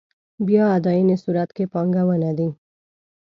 بیا اداينې صورت کې پانګونه دي.